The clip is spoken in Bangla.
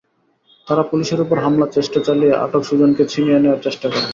তাঁরা পুলিশের ওপর হামলার চেষ্টা চালিয়ে আটক সুজনকে ছিনিয়ে নেওয়ার চেষ্টা করেন।